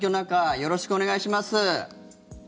よろしくお願いします。